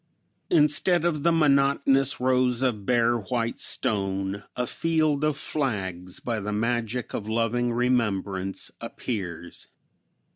Instead of the monotonous rows of bare white stone a field of flags, by the magic of loving remembrance, appears!